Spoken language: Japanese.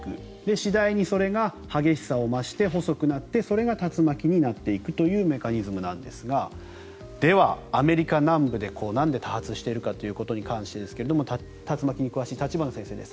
次第にそれが激しさを増して細くなってそれが竜巻になっていくというメカニズムなんですがでは、アメリカ南部でなんで多発しているかということに関してですが竜巻に詳しい立花先生です。